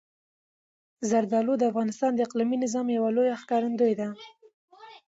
زردالو د افغانستان د اقلیمي نظام یوه لویه ښکارندوی ده.